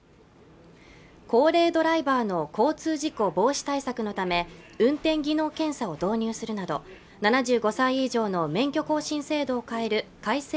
高齢ドライバーの交通事故防止対策のため運転技能検査を導入するなど７５歳以上の免許更新制度を変える改正